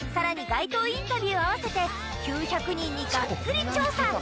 街頭インタビュー合わせて９００人にがっつり調査